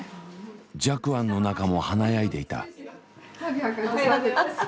寂庵の中も華やいでいた。